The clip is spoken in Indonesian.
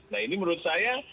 nah ini menurut saya